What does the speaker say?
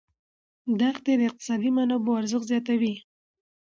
دښتې د اقتصادي منابعو ارزښت زیاتوي.